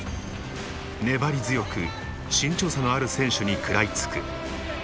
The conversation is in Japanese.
粘り強く身長差のある選手に食らいつく。